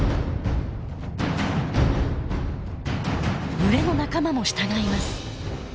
群れの仲間も従います。